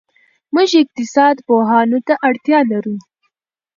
موږ اقتصاد پوهانو ته اړتیا لرو.